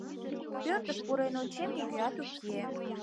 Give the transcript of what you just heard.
Пӧртыш пурен ончем — нигӧат уке.